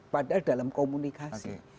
padahal dalam komunikasi